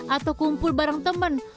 atau kumpul bareng temen